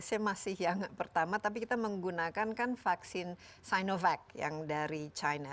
saya masih yang pertama tapi kita menggunakan kan vaksin sinovac yang dari china